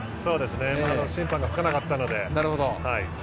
審判が吹かなかったので。